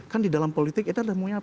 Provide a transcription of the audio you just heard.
kan di dalam politik itu adalah